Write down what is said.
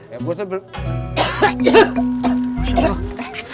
ya gue tuh belum